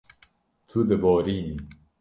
Tu diborînî.